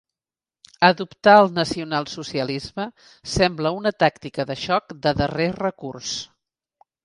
Adoptar el nacional-socialisme sembla una tàctica de xoc de darrer recurs.